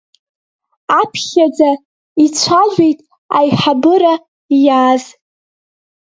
Аԥхьаӡа ицәажәеит аиҳабыра иааиз.